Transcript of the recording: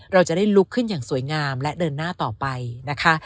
เราจะได้ลุกขึ้นอย่างสวยงามและเดินหน้าต่อไปนะคะ